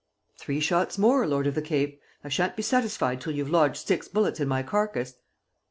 "Three shots more, Lord of the Cape! I shan't be satisfied till you've lodged six bullets in my carcass.